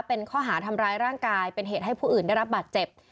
เป็นข้อหาทำร้ายร่างกายเป็นเหตุให้ผู้อื่นได้รับบาดเจ็บ